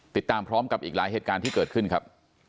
ติดตามพร้อมกับอีกหลายเหตุการณ์ที่เกิดขึ้นครับ